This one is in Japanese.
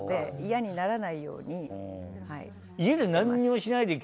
嫌にならないようにしてます。